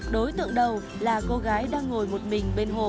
đối tượng đầu là cô gái đang ngồi một mình bên hồ